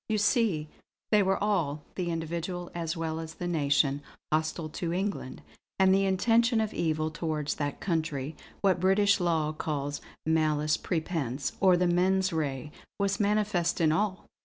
You see, they were all the individual as well as the nation hostile to England; and the intention of evil towards that country, what British law calls 'malice prepense' or the 'mens rea' was manifest in all!"